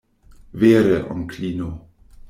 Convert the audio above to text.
Vere, onklino.